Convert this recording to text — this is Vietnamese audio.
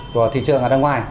của thị trường ở đằng ngoài